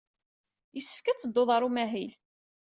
Yessefk ad teddud ɣer umahil.